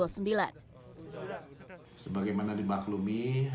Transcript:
sebagai mana dibaklumi